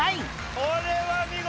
これは見事！